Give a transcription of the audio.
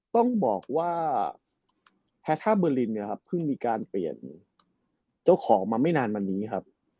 ต้องบอกว่าแพทท่าเบอร์ลินเนี่ยครับเพิ่งมีการเปลี่ยนเจ้าของมาไม่นานมานี้ครับ